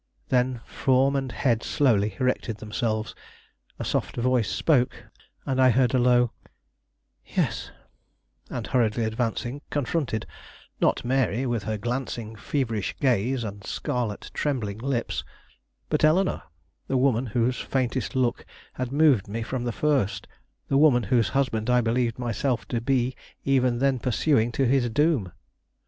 Then form and head slowly erected themselves, a soft voice spoke, and I heard a low "yes," and hurriedly advancing, confronted not Mary, with her glancing, feverish gaze, and scarlet, trembling lips but Eleanore, the woman whose faintest look had moved me from the first, the woman whose husband I believed myself to be even then pursuing to his doom!